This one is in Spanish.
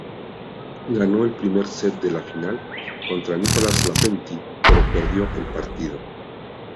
Ganó el primer set de la final, contra Nicolas Lapentti, pero perdió el partido.